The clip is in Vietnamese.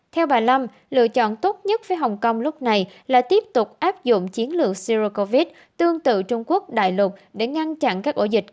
theo bà lâm lựa chọn tốt nhất với hồng kông lúc này là tiếp tục áp dụng chiến lược